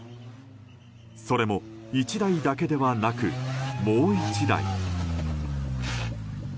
それも１台だけではなくもう１台。